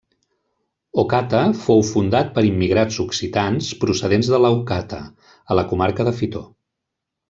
Ocata fou fundat per immigrats occitans procedents de Leucata, a la comarca de Fitor.